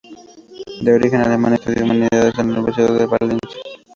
De origen alemán estudió Humanidades en la Universidad de Valencia.